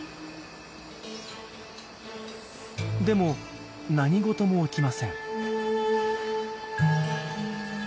でも何事も起きません。